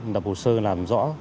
đập hồ sơ làm rõ